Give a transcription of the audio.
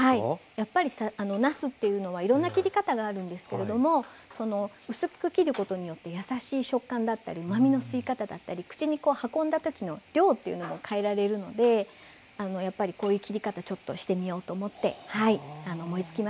やっぱりなすっていうのはいろんな切り方があるんですけれども薄く切ることによってやさしい食感だったりうまみの吸い方だったり口に運んだ時の量っていうのも変えられるのでこういう切り方してみようと思って思いつきました。